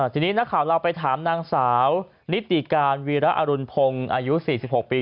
ทีนี้นักข่าวเราไปถามนางสาวนิติการวีระอรุณพงศ์อายุ๔๖ปี